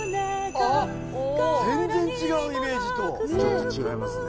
おお全然違うイメージとねえちょっと違いますね